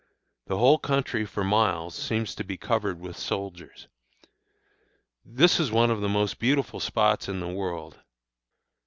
The whole country for miles seems to be covered with soldiers. This is one of the most beautiful spots in the world.